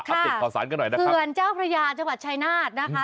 ค่ะอัพเด็กขอสารกันหน่อยนะคะเคือนเจ้าพระยาจังหวัดชายนาฏนะคะ